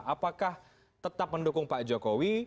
apakah tetap mendukung pak jokowi